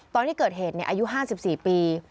ตอนที่เกิดเหตุอายุ๕๔ปี